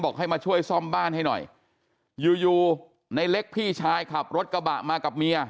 ให้มาช่วยซ่อมบ้านให้หน่อยอยู่อยู่ในเล็กพี่ชายขับรถกระบะมากับเมีย